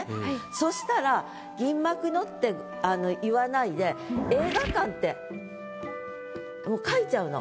そしたら「銀幕の」って言わないで「映画館」ってもう書いちゃうの。